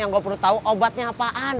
yang gak perlu tahu obatnya apaan